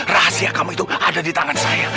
rahasia kamu itu ada di tangan saya